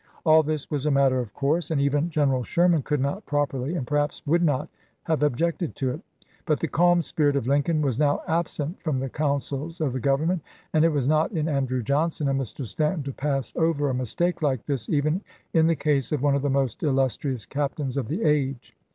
All this was a matter of course, and even General Sherman could not properly, and perhaps would not, have objected to it. But the calm spirit of Lincoln was now absent from the councils of the Government; and it was not in Andrew Johnson and Mr. Stanton to pass over a mistake like this, even in the case of one of the most illustrious captains of the age.